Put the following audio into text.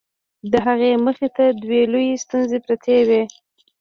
د هغه مخې ته دوې لويې ستونزې پرتې وې.